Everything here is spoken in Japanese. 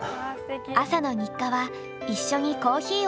朝の日課は一緒にコーヒーを飲むこと。